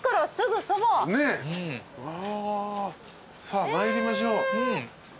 さあ参りましょう。